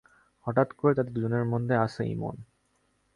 হঠাৎ করে তাঁদের দুজনের মধ্যে আসে ইমন।